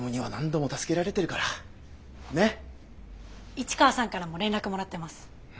市川さんからも連絡もらってます。